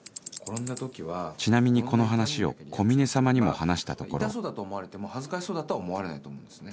ちなみにこの話を小峰様にも話したところ痛そうだと思われても恥ずかしそうだとは思われないと思うんですね。